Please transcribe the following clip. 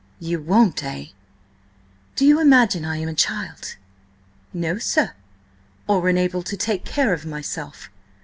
"You won't, eh? Do you imagine I am a child?" "No, sir." "Or unable to take care of myself?"